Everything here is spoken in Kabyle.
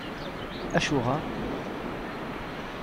Acuɣer?